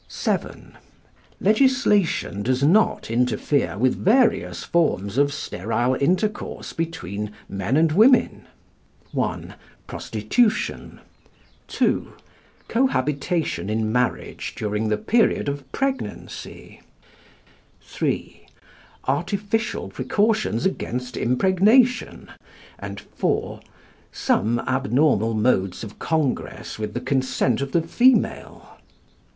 VII. Legislation does not interfere with various forms of sterile intercourse between men and women: (1) prostitution, (2) cohabitation in marriage during the period of pregnancy, (3) artificial precautions against impregnation, and (4) some abnormal modes of congress with the consent of the female.